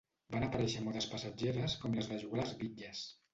Van aparèixer modes passatgeres com les de jugar a les bitlles.